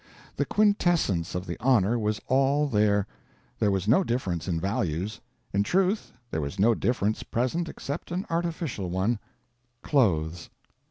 The quintessence of the honor was all there; there was no difference in values; in truth there was no difference present except an artificial one clothes.